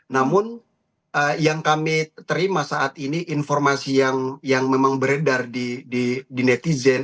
namun yang kami terima saat ini informasi yang memang beredar di netizen